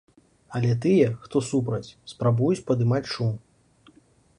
Але тыя, хто супраць, спрабуюць падымаць шум.